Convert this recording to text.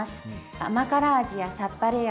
甘辛味やさっぱり味